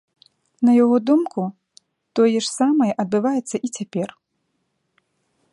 На яго думку, тое ж самае адбываецца і цяпер.